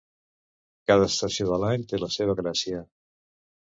Cada estació de l'any té la seva gràcia